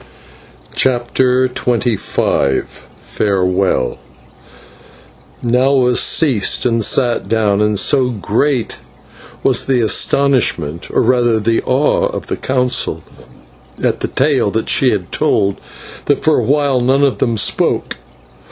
CHAPTER XXV FAREWELL Nahua ceased and sat down, and so great was the astonishment or rather the awe of the Council at the tale that she had told, that for a while none of them spoke.